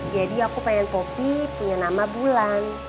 jadi aku pengen poppy punya nama bulan